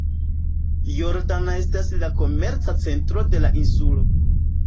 Jordan estas la komerca centro de la insulo.